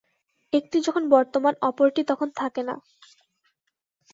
একটি যখন বর্তমান, অপরটি তখন থাকে না।